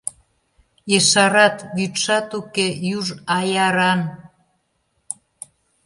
Ешарат: вӱдшат уке, юж аяран.